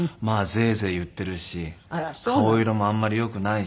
ゼエゼエ言っているし顔色もあんまり良くないし。